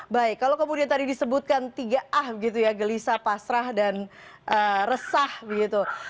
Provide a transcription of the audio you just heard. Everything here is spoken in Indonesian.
baik kalau kemudian tadi disebutkan tiga a gitu ya gelisah pasrah dan resah begitu